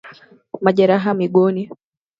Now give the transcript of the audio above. Majeraha miguuni